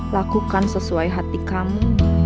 lakukan sesuai hati kamu